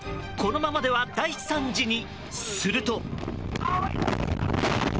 このままでは大惨事にすると。